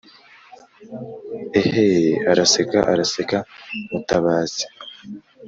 iheeee! araseka araseka mutabazi